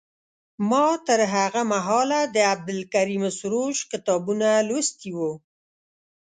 ما تر هغه مهاله د عبدالکریم سروش کتابونه لوستي وو.